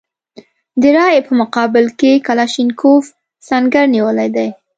د رایې په مقابل کې کلاشینکوف سنګر نیولی دی.